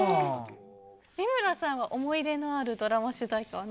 三村さんは思い入れのあるドラマ主題歌は何ですか？